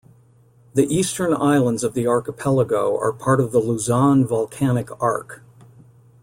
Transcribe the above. The eastern islands of the archipelago are part of the Luzon Volcanic Arc.